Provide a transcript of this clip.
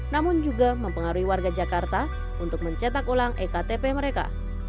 namun juga mempengaruhi warga jakarta untuk mencetak ulang ektp mereka